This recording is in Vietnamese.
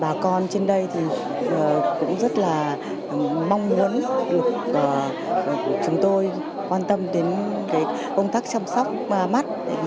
bà con trên đây cũng rất là mong muốn chúng tôi quan tâm đến công tác chăm sóc mắt